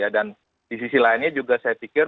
dan di sisi lainnya juga saya pikir